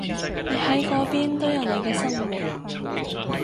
你喺嗰邊都有你嘅生活